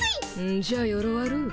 んじゃよろわる。